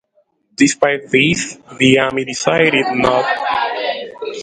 Despite this, the Army decided not to pursue any prosecutions.